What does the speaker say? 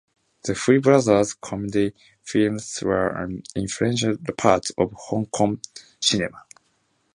The Hui brothers' comedy films were an influential part of Hong Kong cinema.